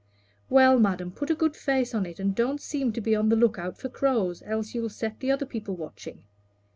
"Well, madam, put a good face on it, and don't seem to be on the look out for crows, else you'll set other people watching.